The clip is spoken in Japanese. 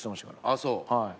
ああそう。